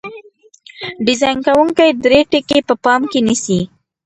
ډیزاین کوونکي درې ټکي په پام کې نیسي.